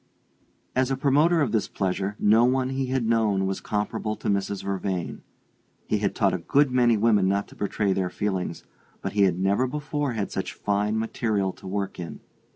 As a promoter of this pleasure no one he had known was comparable to Mrs. Vervain. He had taught a good many women not to betray their feelings, but he had never before had such fine material to work in.